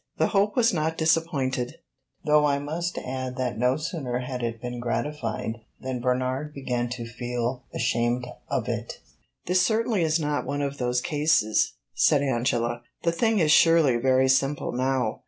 The hope was not disappointed, though I must add that no sooner had it been gratified than Bernard began to feel ashamed of it. "This certainly is not one of those cases," said Angela. "The thing is surely very simple now."